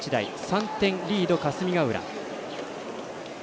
３点リード、霞ヶ浦。